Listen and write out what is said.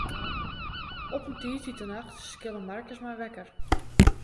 Op in tiisdeitenacht skille Markus my wekker.